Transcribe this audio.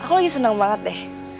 aku lagi senang banget deh